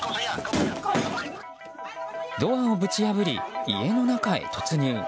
ドアをぶち破り、家の中へ突入。